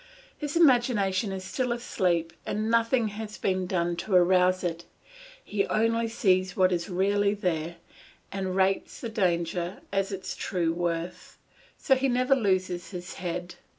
His imagination is still asleep and nothing has been done to arouse it; he only sees what is really there, and rates the danger at its true worth; so he never loses his head.